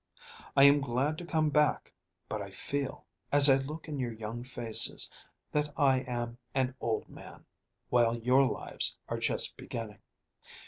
I am glad to come back, but I feel, as I look in your young faces, that I am an old man, while your lives are just beginning.